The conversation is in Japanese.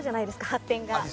発展が。